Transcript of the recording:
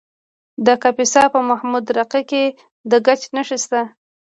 د کاپیسا په محمود راقي کې د ګچ نښې شته.